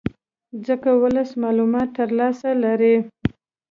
ځکه ولس معلوماتو ته لاسرې لري